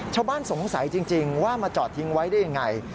ชาวบ้านสงสัยจริงว่ามาจอดทิ้งไว้ได้ยังไง